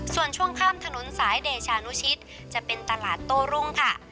ส่วนช่วงข้ามถนนสายเดชานุชิตจะเป็นตลาดโต้รุ่งค่ะ